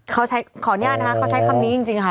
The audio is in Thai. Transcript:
เขาใช้ขออนุญาตนะคะเขาใช้คำนี้จริงค่ะ